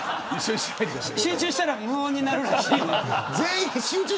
集中したら無音になるらしいです。